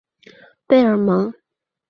贝尔蒙。